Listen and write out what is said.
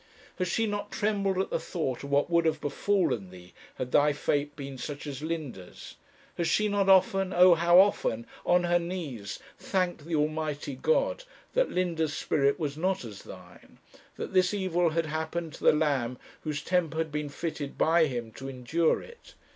Has she not trembled at the thought of what would have befallen thee, had thy fate been such as Linda's? Has she not often oh, how often! on her knees thanked the Almighty God that Linda's spirit was not as thine; that this evil had happened to the lamb whose temper had been fitted by Him to endure it?